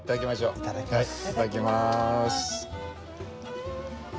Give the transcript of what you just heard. いただきます。